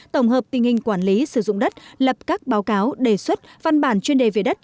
tổng hợp tình hình quản lý sử dụng đất lập các báo cáo đề xuất văn bản chuyên đề về đất